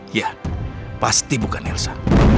iya pasti bukan elsa